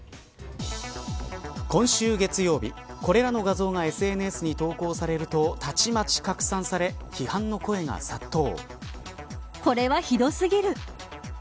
今週月曜日これらの画像がＳＮＳに投稿されるとたちまち拡散され批判の声が殺到。